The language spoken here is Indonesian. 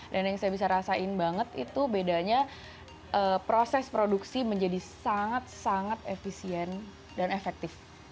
dan yang saya bisa rasain banget itu bedanya proses produksi menjadi sangat sangat efisien dan efektif